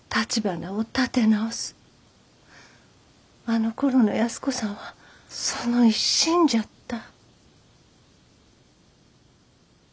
あのころの安子さんはその一心じゃった。